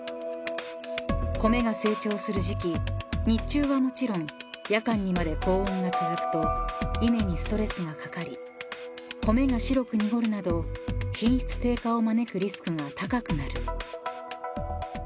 ［米が成長する時期日中はもちろん夜間にまで高温が続くと稲にストレスがかかり米が白く濁るなど品質低下を招くリスクが高くなる］